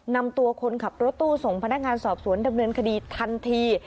นำตัวคนขับรถตู้ส่งพนักงานสอบสวนดำเนินคดีทันที